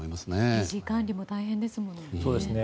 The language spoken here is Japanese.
維持・管理も大変ですもんね。